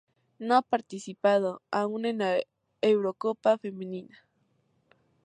No ha participado aún en la Eurocopa Femenina.